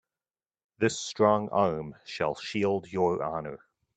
This strong arm shall shield your honor.